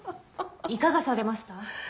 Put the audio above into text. いかがされました？